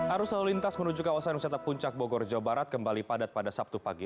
arus lalu lintas menuju kawasan wisata puncak bogor jawa barat kembali padat pada sabtu pagi